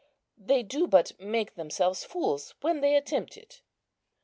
They do but make themselves fools when they attempt it."